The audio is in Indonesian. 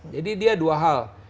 jadi dia dua hal